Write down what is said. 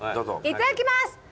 いただきます！